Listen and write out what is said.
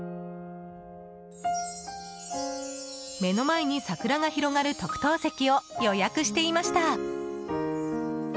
目の前に桜が広がる特等席を予約していました。